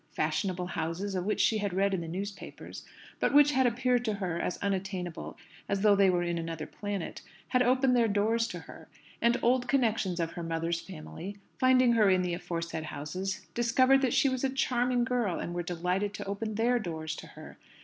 Fashionable houses, of which she had read in the newspapers, but which had appeared to her as unattainable as though they were in another planet, had opened their doors to her; and old connections of her mother's family, finding her in the aforesaid houses, discovered that she was a charming girl, and were delighted to open their doors to her.